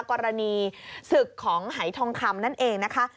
กรณีศึกของหายทองคำนั่นเองนะคะ